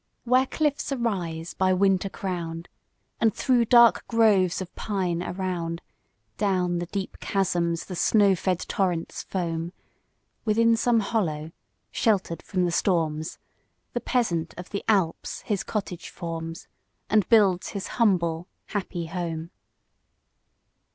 WHERE cliffs arise by winter crown'd, And through dark groves of pine around, Down the deep chasms the snow fed torrents foam, Within some hollow, shelter'd from the storms, The Peasant of the Alps his cottage forms, And builds his humble, happy home.